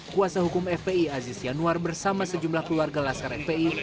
kuasa hukum fpi aziz yanuar bersama sejumlah keluarga laskar fpi